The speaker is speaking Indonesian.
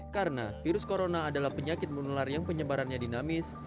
karena virus corona adalah penyakit menular yang penyebarannya dinamakan